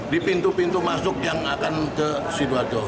di pintu pintu masuk yang akan ke sidoarjo